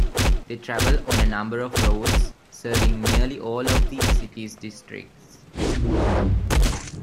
They travel on a number of routes serving nearly all of the city's districts.